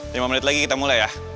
lima menit lagi kita mulai ya